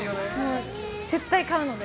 絶対買うので。